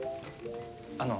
あの。